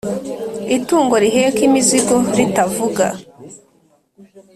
Itungo riheka imizigo ritavuga